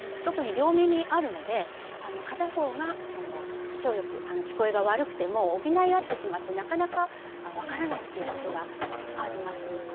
特に両耳あるので片方が聴力聞こえが悪くても補い合ってしまってなかなか分からないっていうことがあります。